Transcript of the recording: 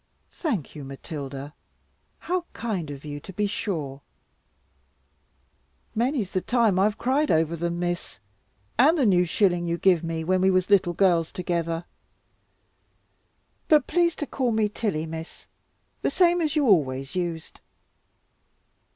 "Thank you, Matilda. How kind of you, to be sure!" "Many's the time I've cried over them, Miss, and the new shilling you give me, when we was little girls together. But please to call me 'Tilly,' Miss, the same as you always used."